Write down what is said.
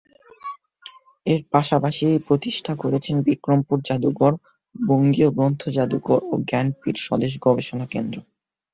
এর পাশাপাশি প্রতিষ্ঠা করেছেন বিক্রমপুর জাদুঘর, বঙ্গীয় গ্রন্থ জাদুঘর ও জ্ঞানপীঠ স্বদেশ গবেষণা কেন্দ্র।